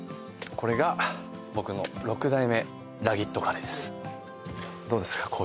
これが僕の６代目ラギットカレーですどうですか？